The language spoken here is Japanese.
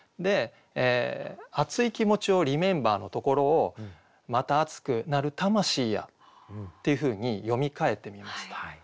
「熱い気持ちをリメンバー」のところを「また熱くなる魂や」っていうふうに詠みかえてみました。